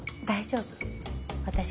大丈夫私